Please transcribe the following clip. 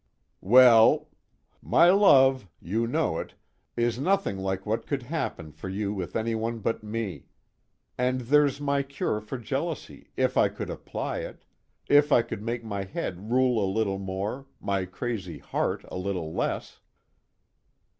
"Well 'my love (you know it) is nothing like what could happen for you with anyone but me. And there's my cure for jealousy if I could apply it, if I could make my head rule a little more, my crazy heart a little less.'